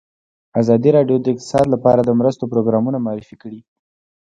ازادي راډیو د اقتصاد لپاره د مرستو پروګرامونه معرفي کړي.